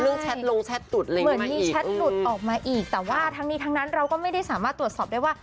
แชทลงแชทหลุดเลยเหมือนมีแชทหลุดออกมาอีกแต่ว่าทั้งนี้ทั้งนั้นเราก็ไม่ได้สามารถตรวจสอบได้ว่า